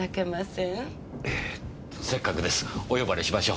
せっかくですお呼ばれしましょう。